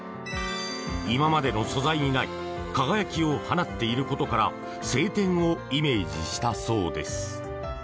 今までの素材にない輝きを放っていることから晴天をイメージしたそうです。